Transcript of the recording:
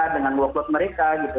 dengan workload mereka gitu